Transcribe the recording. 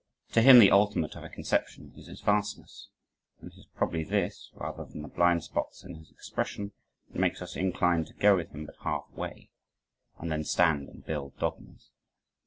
To him the ultimate of a conception is its vastness, and it is probably this, rather than the "blind spots" in his expression that makes us incline to go with him but half way; and then stand and build dogmas.